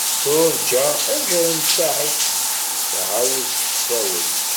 Turǧa azal n tsaɛet tɛawed tessawel.